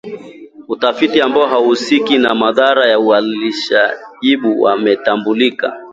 utafiti ambapo wahusika na mandhari ya uhalisiajabu yametambuliwa